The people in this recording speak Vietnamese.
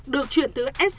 được chuyển từ scb cho nhàn